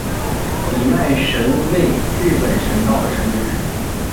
比卖神为日本神道的神只。